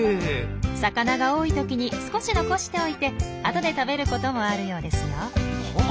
魚が多い時に少し残しておいて後で食べることもあるようですよ。は！